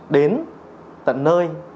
đến tận nơi